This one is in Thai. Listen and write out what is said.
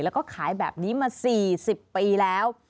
แล้วก็ขายแบบนี้มา๔๐ปีแล้ว